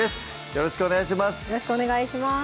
よろしくお願いします